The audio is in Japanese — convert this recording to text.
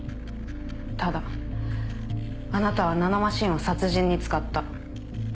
ただあなたはナノマシンを殺人に使った。